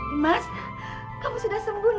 imas kamu sudah sembuh nak